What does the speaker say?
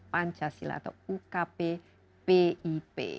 pancasila atau ukp pip